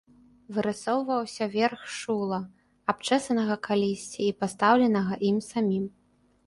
Вырысоўваўся верх шула, абчэсанага калісьці і пастаўленага ім самім.